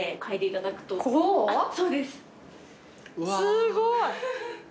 すごい。